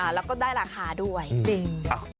อ่าแล้วก็ได้ราคาด้วยจริงอ่ะ